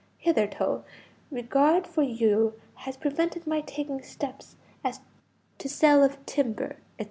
Hitherto, regard for you has prevented my taking steps as to sale of timber, &c.